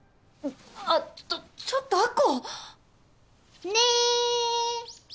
あっちょっと亜子！ね！